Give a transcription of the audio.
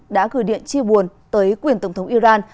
đã gửi điện chia buồn tới quyền tổng thống iran